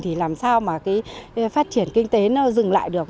thì làm sao mà phát triển kinh tế dừng lại được